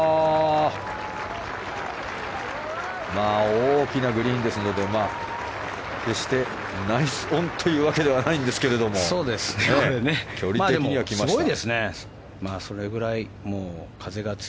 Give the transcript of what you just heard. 大きなグリーンですので決してナイスオンというわけではないんですけれども距離的には来ました。